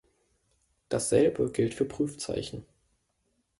Dasselbe gilt für Prüfzeichen.